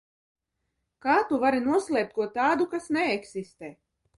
Kā tu vari noslēpt ko tādu, kas neeksistē?